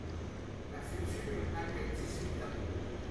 La future n’a que dix-huit ans…